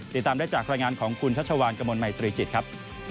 ติดตามได้จากรายงานของคุณชัชวานกระมวลมัยตรีจิตครับ